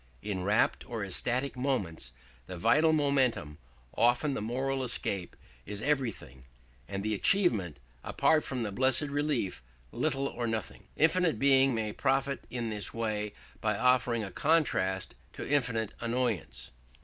In rapt or ecstatic moments, the vital momentum, often the moral escape, is everything, and the achievement, apart from that blessed relief, little or nothing. Infinite Being may profit in this way by offering a contrast to infinite annoyance.